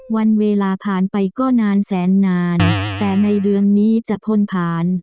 วันเวลาผ่านไปก็นานแสนนานแต่ในเดือนนี้จะพ้นผ่าน